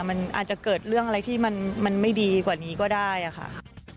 มันอาจจะเกิดเรื่องอะไรที่มันไม่ดีกว่านี้ก็ได้ค่ะ